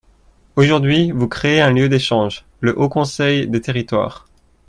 Aujourd’hui, vous créez un lieu d’échanges, le Haut conseil des territoires.